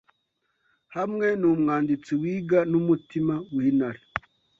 hamwe numwanditsi wiga numutima wintare